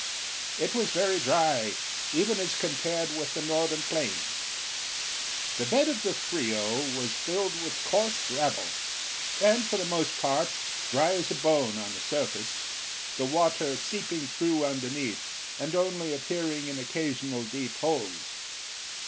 It was very dry, even as compared with the northern plains. The bed of the Frio was filled with coarse gravel, and for the most part dry as a bone on the surface, the water seeping through underneath, and only appearing in occasional deep holes.